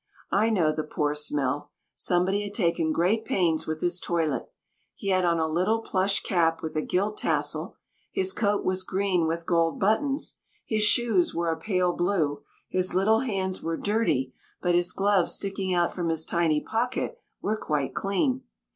I know the poor smell. Somebody had taken great pains with his toilet. He had on a little plush cap with a gilt tassel, his coat was green with gold buttons, his shoes were a pale blue, his little hands were dirty, but his gloves sticking out from his tiny pocket, were quite clean.